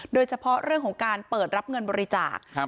โดยเฉพาะเรื่องของการเปิดรับเงินบริจาค